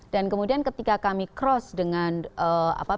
dan kemudian ketika kami cross dengan pilihan